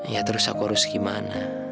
ya terus aku harus gimana